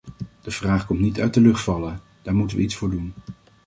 De vraag komt niet uit de lucht vallen, daar moeten we iets voor doen.